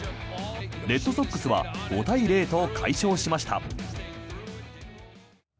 レッドソックスは５対０と快勝しました。